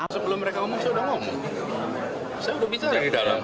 sebelum mereka ngomong saya sudah ngomong saya sudah bicara